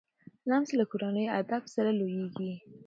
لمسی له کورني ادب سره لویېږي